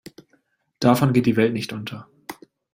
Davon geht die Welt nicht unter.